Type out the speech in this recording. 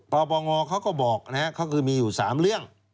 ปปงเขาก็บอกนะครับเขาคือมีอยู่๓เรื่อง